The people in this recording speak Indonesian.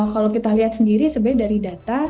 kalau kita lihat sendiri sebenarnya dari data